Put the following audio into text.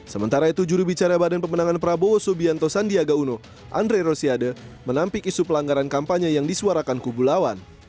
sementara itu jurubicara badan pemenangan prabowo subianto sandiaga uno andre rosiade menampik isu pelanggaran kampanye yang disuarakan kubu lawan